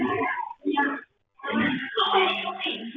อ้าวเดี๋ยวเดี๋ยวเดี๋ยวเดี๋ยว